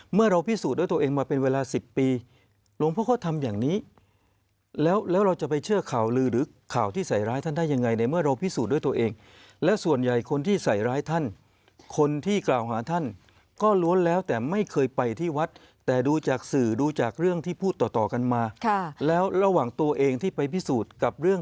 เมื่อเราพิสูจน์ด้วยตัวเองมาเป็นเวลา๑๐ปีหลวงพ่อก็ทำอย่างนี้แล้วแล้วเราจะไปเชื่อข่าวลือหรือข่าวที่ใส่ร้ายท่านได้ยังไงในเมื่อเราพิสูจน์ด้วยตัวเองและส่วนใหญ่คนที่ใส่ร้ายท่านคนที่กล่าวหาท่านก็ล้วนแล้วแต่ไม่เคยไปที่วัดแต่ดูจากสื่อดูจากเรื่องที่พูดต่อต่อกันมาแล้วระหว่างตัวเองที่ไปพิสูจน์กับเรื่อง